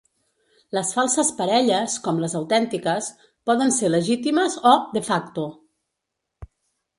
Les falses parelles, com les autèntiques, poden ser legítimes o "de facto".